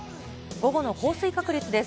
午後の降水確率です。